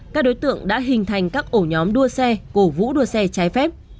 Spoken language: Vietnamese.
các đối tượng đã hình thành các ổ nhóm đua xe cổ vũ đua xe trái phép